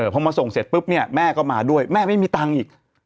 พอมาส่งเสร็จปุ๊บเนี่ยแม่ก็มาด้วยแม่ไม่มีตังค์อีก